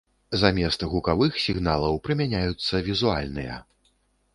Замест гукавых сігналаў прымяняюцца візуальныя.